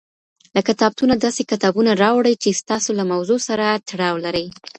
له کتابتونه داسي کتابونه راوړئ چي ستاسو له موضوع سره تړاو ولري.